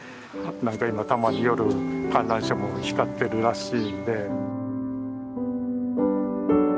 なんか今たまに夜観覧車も光ってるらしいんで。